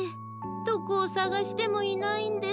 どこをさがしてもいないんです。